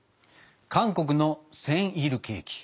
韓国のセンイルケーキ。